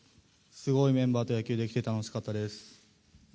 すごいメンバーと野球できて楽しかったです。